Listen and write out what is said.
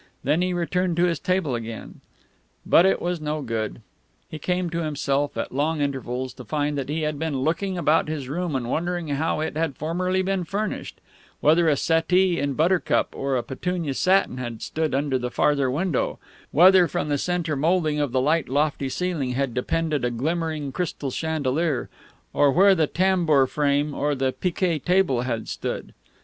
Then he returned to his table again.... But it was no good. He came to himself, at long intervals, to find that he had been looking about his room and wondering how it had formerly been furnished whether a settee in buttercup or petunia satin had stood under the farther window, whether from the centre moulding of the light lofty ceiling had depended a glimmering crystal chandelier, or where the tambour frame or the picquet table had stood....